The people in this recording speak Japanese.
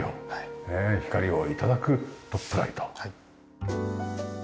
ねえ光を頂くトップライト。